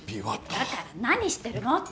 だから何してるのって。